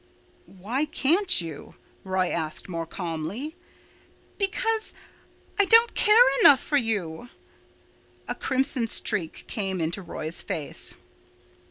"Why can't you?" Roy asked more calmly. "Because—I don't care enough for you." A crimson streak came into Roy's face.